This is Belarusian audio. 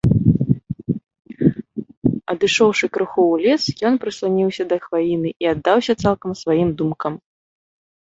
Адышоўшы крыху ў лес, ён прысланіўся да хваіны і аддаўся цалкам сваім думкам.